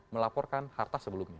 melaporkan harta sebelumnya